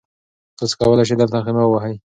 تاسي کولای شئ دلته خیمه ووهئ.